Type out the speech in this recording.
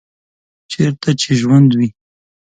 چیرته چې ژوند وي